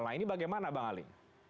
nah ini bagaimana bang ali